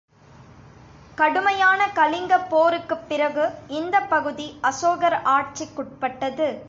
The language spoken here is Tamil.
கடுமையான கலிங்கப் போருக்குப் பிறகு, இந்தப் பகுதி அசோகர் ஆட்சிக்குட்பட்டது.